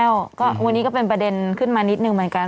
ก็วันนี้ก็เป็นประเด็นขึ้นมานิดนึงเหมือนกัน